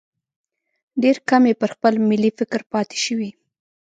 ډېر کم یې پر خپل ملي فکر پاتې شوي.